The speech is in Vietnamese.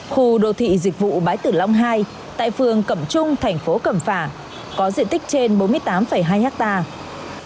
khu đô thị dịch vụ bãi tử long hai tại phường cẩm trung thành phố cẩm phả có diện tích trên bốn mươi tám hai hectare